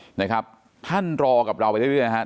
เป็นวันที่๑๕ธนวาคมแต่คุณผู้ชมค่ะกลายเป็นวันที่๑๕ธนวาคม